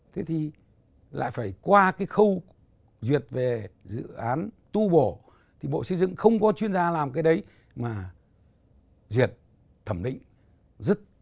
thế thì lại phải qua cái khâu duyệt về dự án tu bổ thì bộ xây dựng không có chuyên gia làm cái đấy mà duyệt